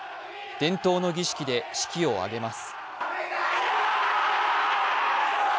伝統の儀式で士気を上げます。